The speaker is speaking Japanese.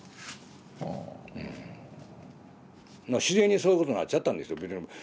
自然にそういうことなっちゃったんですよ。